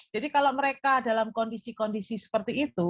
jadi kalau mereka dalam kondisi kondisi seperti itu